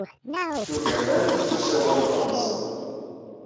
Tuggamant ttusawal Fṛansa.